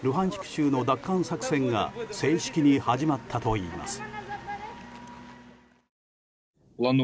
州の奪還作戦が正式に始まったといいます。